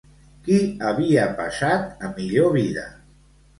Qui havia passat a millor vida?